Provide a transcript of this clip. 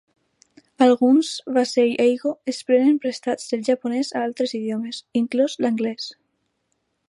Alguns "wasei-Eigo" es prenen prestats del japonès a altres idiomes, inclòs l'anglès.